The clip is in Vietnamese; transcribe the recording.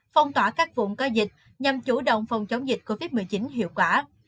phong tỏa các vùng có dịch nhằm chủ động phòng chống dịch covid một mươi chín hiệu quả